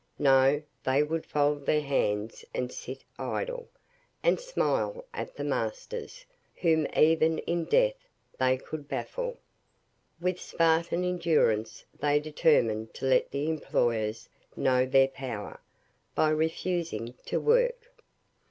No! they would fold their hands, and sit idle, and smile at the masters, whom even in death they could baffle. With Spartan endurance they determined to let the employers know their power, by refusing to work.